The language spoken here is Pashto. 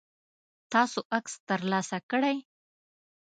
تاسو عکس ترلاسه کړئ؟